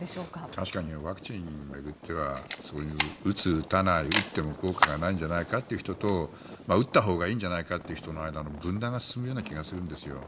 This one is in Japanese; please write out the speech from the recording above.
確かにワクチンを巡ってはそういう打つ、打たない打っても効果がないんじゃないかという人と打ったほうがいいんじゃないかという人の間の分断が進むような気がするんですよ。